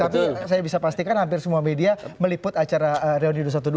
tapi saya bisa pastikan hampir semua media meliput acara reuni dua ratus dua belas